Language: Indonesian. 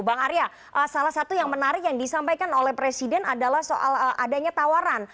bang arya salah satu yang menarik yang disampaikan oleh presiden adalah soal adanya tawaran